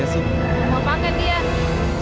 mau panggil dia